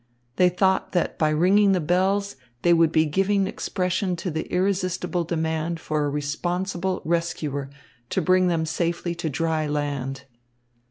They thought that by ringing the bells they would be giving expression to the irresistible demand for a responsible rescuer to bring them safely to dry land.